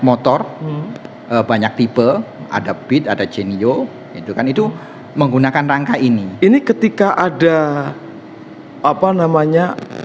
motor banyak tipe ada bit ada genio itu kan itu menggunakan rangka ini ini ketika ada apa namanya